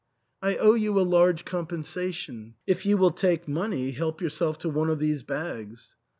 " I owe you a large compensation.; if you will take money, help yourself to one of these bags."